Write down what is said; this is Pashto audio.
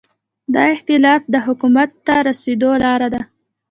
دا اختلاف د حکومت ته رسېدو لاره ده.